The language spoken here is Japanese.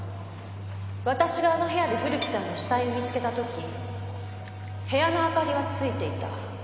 私があの部屋で古木さんの死体を見つけた時部屋の明かりはついていた。